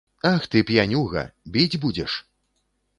Ах ты, п'янюга, біць будзеш?